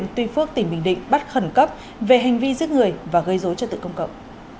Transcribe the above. tuy phước tỉnh bình định bắt khẩn cấp về hành vi giết người và gây dối cho tự công cộng